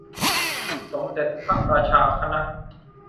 สมเด็จพระราชาคณะ